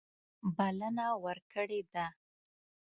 بلنه ورکړې ده.